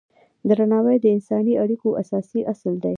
درناوی د انساني اړیکو اساسي اصل دی.